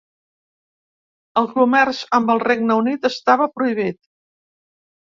El comerç amb el Regne Unit estava prohibit.